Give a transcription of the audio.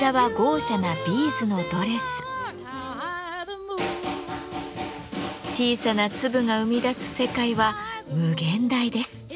小さな粒が生み出す世界は無限大です。